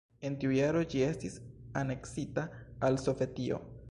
En tiu jaro ĝi estis aneksita al Sovetio.